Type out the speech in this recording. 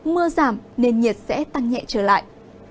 mưa giảm nên nhiệt sẽ tăng nhẹ trở lại